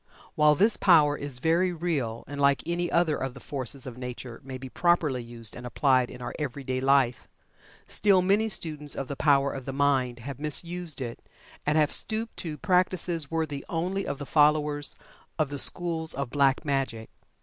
While this power is very real, and like any other of the forces of nature may be properly used and applied in our every day life, still many students of the power of the Mind have misused it and have stooped to practices worthy only of the followers of the schools of "Black Magic."